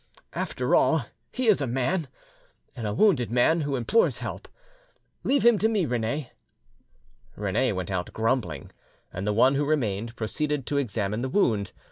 "After all, he is a man, and a wounded man who implores help. Leave him to me, Rene." Rene went out grumbling, and the one who remained proceeded to examine the wound.